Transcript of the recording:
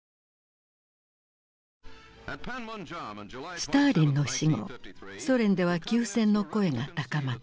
スターリンの死後ソ連では休戦の声が高まった。